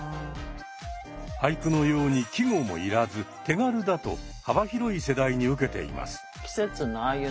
俳句のように季語も要らず手軽だと幅広い世代にウケています。